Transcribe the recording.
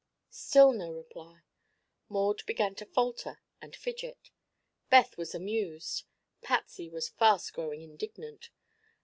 Still no reply. Maud began to falter and fidget. Beth was amused. Patsy was fast growing indignant.